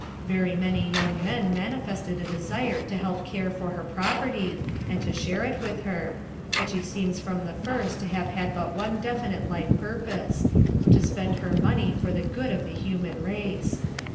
Very many young men manifested a desire to help care for the property, and to share it with her, but she seems from the first to have had but one definite life purpose, to spend her money for the good of the human race.